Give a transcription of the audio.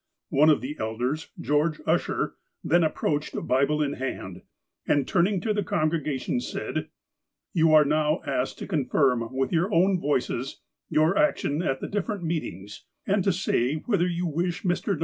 One of the elders, George Usher, then approached, Bible in hand, and turning to the congregation, said : ''You are now asked to confirm with your own voices, your action at the different meetings, and to say whether you wish Mr. Duncan to continue as your teacher and ^ The chief.